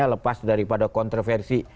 lepas daripada kontroversi